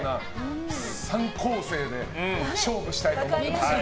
３構成で勝負したいと思います。